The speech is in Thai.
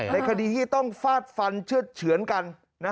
ในคดีที่ต้องฟาดฟันเชื่อดเฉือนกัน